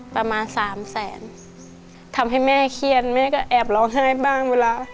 ประมาณสามแสนทำให้แม่เครียดแม่ก็แอบร้องไห้บ้างเวลา